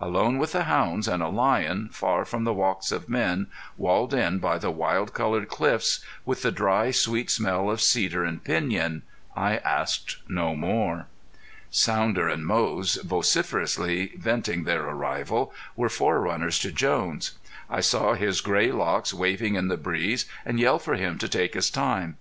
Alone with the hounds and a lion, far from the walks of men, walled in by the wild colored cliffs, with the dry, sweet smell of cedar and piñon, I asked no more. Sounder and Moze, vociferously venting their arrival, were forerunners to Jones. I saw his gray locks waving in the breeze, and yelled for him to take his time.